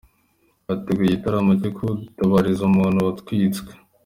Hateguwe igitaramo cyo gutabariza umuntu watwitswe